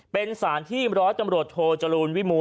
เป็นสารที่ร้อยตำรวจโทจรูลวิมูล